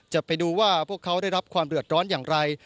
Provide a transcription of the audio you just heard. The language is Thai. จะไปดูว่าพวกเขาได้รับความเดือดร้อนอย่างไร